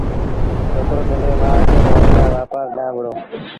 ڇوڪرو پنڊريٚ مآ کآݩ موڪلآئي وآپآر ڏآݩهݩ وهُڙو